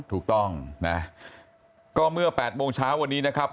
ถูกต้องนะก็เมื่อ๘โมงเช้าวันนี้นะครับ